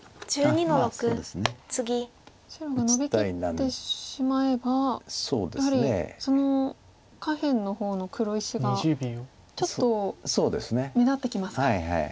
白がノビきってしまえばやはりその下辺の方の黒石がちょっと目立ってきますか。